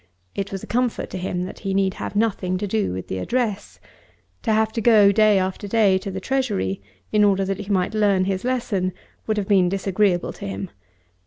It was a comfort to him that he need have nothing to do with the address. To have to go, day after day, to the Treasury in order that he might learn his lesson, would have been disagreeable to him.